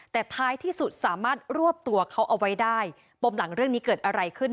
แต่ท้ายที่สุดสามารถรวบตัวเขาเอาไว้ได้ปมหลังเรื่องนี้เกิดอะไรขึ้น